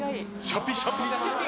シャピシャピ？